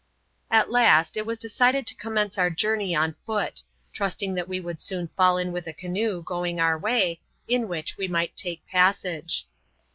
At last, it was decided to commence our journey on foot; trusting that we would soon fall in with a canoe going our way, in which we might take passage.